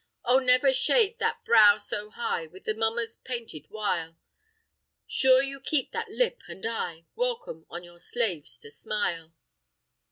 Oh! never shade that brow so high With the mummers' painted wile. Sure you keep that lip and eye, Welcome on your slaves to smile."